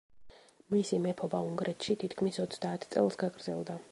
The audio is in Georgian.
მისი მეფობა უნგრეთში თითქმის ოცდაათ წელს გაგრძელდა.